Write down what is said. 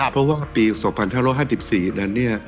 เพราะว่าปี๒๕๕๔นั้น